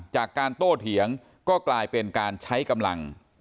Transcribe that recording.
จากการโต้เถียงก็กลายเป็นการใช้กำลัง